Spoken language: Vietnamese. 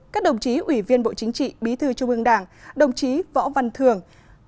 các đồng chí ủy viên bộ chính trị bí thư trung ương đảng đồng chí võ văn thường